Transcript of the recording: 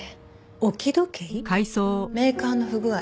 メーカーの不具合。